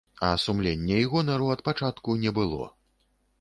А сумлення і гонару ад пачатку не было.